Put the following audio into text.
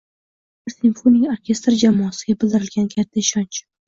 Bu - Yoshlar simfonik orkestri jamoasiga bildirilgan katta ishonch